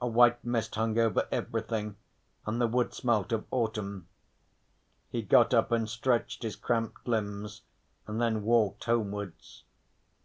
A white mist hung over everything and the wood smelt of autumn. He got up and stretched his cramped limbs, and then walked homewards.